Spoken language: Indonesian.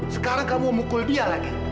sekarang kamu mukul dia lagi